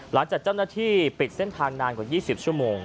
หลังจากเจ้าหน้าที่ปิดเส้นทางนานกว่า๒๐ชั่วโมง